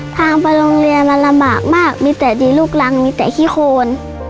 ทางไปโรงเรียนมันลำบากมากมีแต่ดีลูกรังมีแต่ขี้โคน